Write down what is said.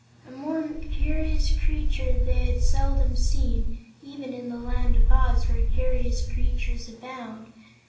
A more curious creature they had seldom seen, even in the Land of Oz, where curious creatures abound.